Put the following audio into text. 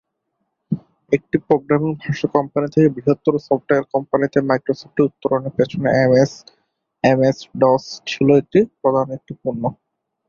একটি প্রোগ্রামিং ভাষা কোম্পানি থেকে বৃহত্তর সফটওয়্যার কোম্পানিতে মাইক্রোসফটের উত্তরণের পেছনে এমএস-ডস ছিল প্রধান একটি পণ্য।